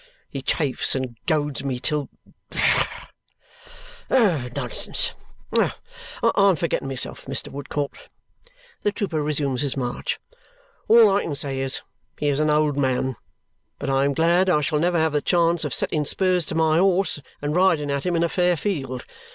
He chafes and goads me till Bah! Nonsense! I am forgetting myself. Mr. Woodcourt," the trooper resumes his march, "all I say is, he is an old man; but I am glad I shall never have the chance of setting spurs to my horse and riding at him in a fair field.